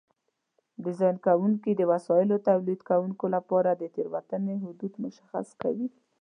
ډیزاین کوونکي د وسایلو تولیدوونکو لپاره د تېروتنې حدود مشخص کوي.